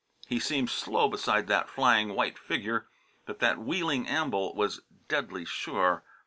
He seemed slow beside that flying white figure, but that wheeling amble was deadly sure.